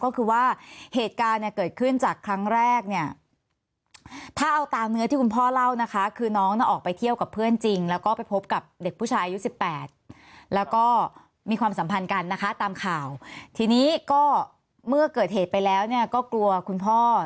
ครับประมาณนี้แหละครับ